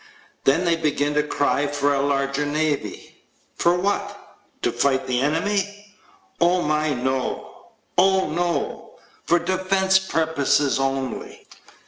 Then they begin to cry for a larger navy. For what? To fight the enemy? Oh my, no. Oh, no. For defense purposes only.